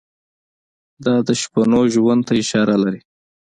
دا د شپنو ژوند ته اشاره لري.